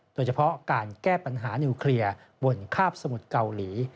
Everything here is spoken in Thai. โดยเฉพาะการแก้ปัญหานิวเคลียร์บนคาบสมุทรเกาหลี